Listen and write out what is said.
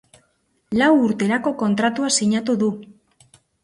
Lau urterako kontratua sinatu du.